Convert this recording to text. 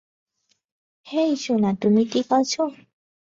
হেই সোনা তুমি ঠিক আছ?